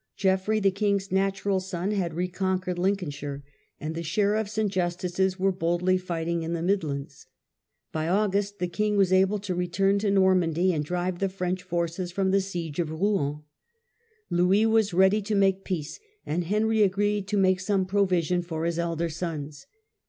Geoffrey, the king's natural son, had reconquered Lincolnshire, and the sheriffs and justices were boldly fighting in the mid lands. By August the king was able to return to Nor mandy and drive the French forces from the siege of Rouen, Louis was ready to make peace, and Henry agreed to make some provision for his elder sons.